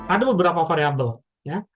ada beberapa variable